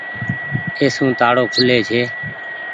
اي سون تآڙو کولي ڇي۔